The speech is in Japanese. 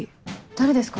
誰ですか？